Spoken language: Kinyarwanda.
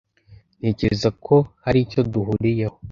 Ntekereza ko hari icyo duhuriyeho.